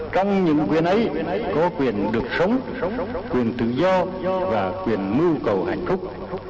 trong những quyền ấy có quyền được sống trong quyền tự do và quyền mưu cầu hạnh phúc